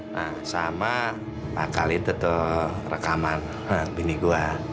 nah sama akal itu tuh rekaman bini gue